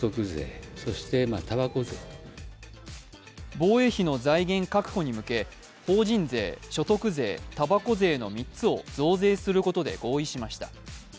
防衛費の財源確保に向け、法人税、所得税、たばこ税の３つを増税することで合意しました。